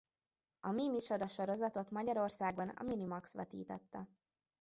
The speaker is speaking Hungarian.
A Mi micsoda sorozatot Magyarországon a Minimax vetítette.